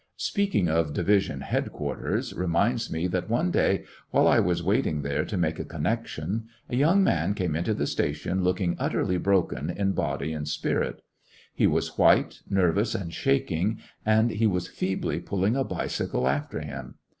Speaking of division headquarters reminds A bicycle story me that one day, while I was waiting there to make a connection, a young man came into the station looking utterly broken in body and spirit. He was white, nervous, and shak ing, and he was feebly pulling a bicycle after him.